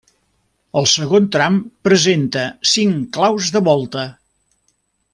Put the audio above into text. El segon tram presenta cinc claus de volta.